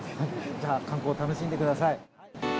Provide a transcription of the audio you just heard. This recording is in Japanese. じゃあ、観光楽しんでください。